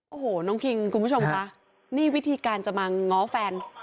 โอ้โหน้องคิงคุณผู้ชมค่ะนี่วิธีการจะมาง้อแฟน